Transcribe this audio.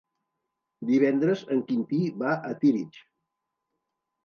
Divendres en Quintí va a Tírig.